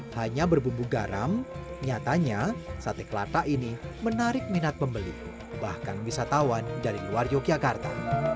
hanya berbumbu garam nyatanya sate kelapa ini menarik minat pembeli bahkan wisatawan dari luar yogyakarta